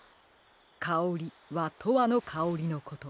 「かおり」は「とわのかおり」のこと。